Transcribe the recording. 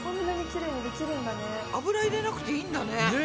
油入れなくていいんだね。ね。